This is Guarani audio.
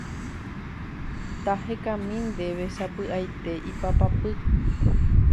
tahekami ndéve sapy'aite ipapapy.